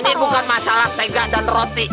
ini bukan masalah tegak dan roti